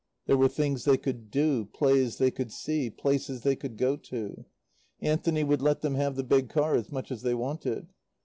There were things they could do, plays they could see, places they could go to. Anthony would let them have the big car as much as they wanted.